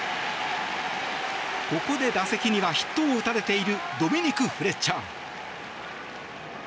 ここで打席にはヒットを打たれているドミニク・フレッチャー。